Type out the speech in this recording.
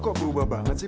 kok berubah banget sih